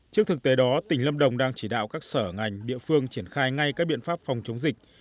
trước thực tế đó tỉnh lâm đồng đang chỉ đạo các sở ngành địa phương triển khai ngay các biện pháp phòng chống dịch